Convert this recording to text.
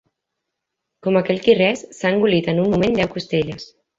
Com aquell qui res, s'ha engolit en un moment deu costelles.